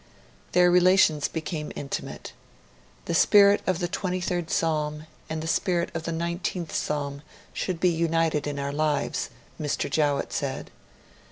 Their relations became intimate. 'The spirit of the Twenty third Psalm and the spirit of the Nineteenth Psalm should be united in our lives,' Mr. Jowett said.